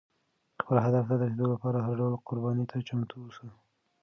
خپل هدف ته د رسېدو لپاره هر ډول قربانۍ ته چمتو اوسه.